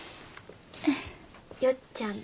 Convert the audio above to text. よっちゃん